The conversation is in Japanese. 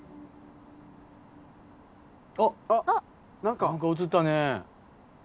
あっ何か映ったね。